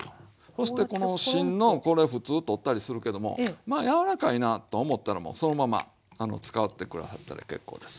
そしてこの芯のこれ普通取ったりするけどもまあ柔らかいなと思ったらもうそのまま使って下さったら結構です。